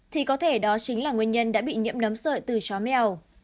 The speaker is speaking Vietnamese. thì có thể đó chính là nguyên nhân đã bị nhiễm nấm sợi từ chó mèo